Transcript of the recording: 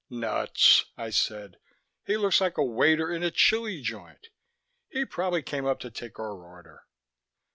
"Nuts," I said. "He looks like a waiter in a chili joint. He probably came up to take our order."